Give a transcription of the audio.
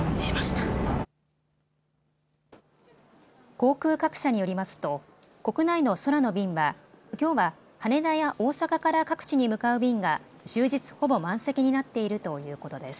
航空各社によりますと国内の空の便はきょうは羽田や大阪から各地に向かう便が終日ほぼ満席になっているということです。